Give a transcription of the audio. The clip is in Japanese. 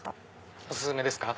お薦めですか。